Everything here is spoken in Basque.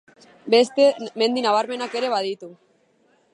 Beste mendi nabarmenak ere baditu.